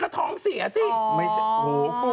ข้าวใส่ข้าว